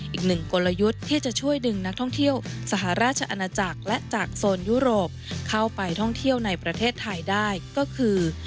อีกหนึ่งกลยุทธ์ที่จะช่วยดึงนักท่องเที่ยวสหราชอาณาจักรและจากโซนยุโรปเข้าไปท่องเที่ยวในประเทศไทยได้ก็คือ